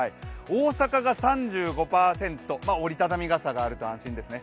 大阪が３５％、折り畳み傘があると安心ですね。